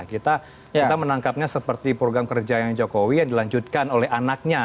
kita menangkapnya seperti program kerjanya jokowi yang dilanjutkan oleh anaknya